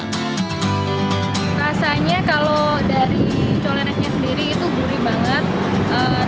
rasanya kalau dari colenetnya sendiri itu gurih banget